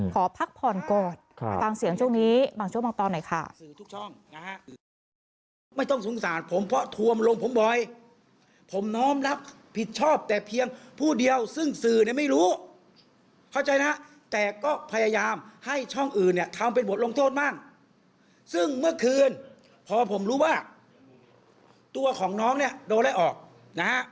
ขอพักผ่อนก่อนฟังเสียงช่วงนี้บางช่วงบางตอนหน่อยค่ะ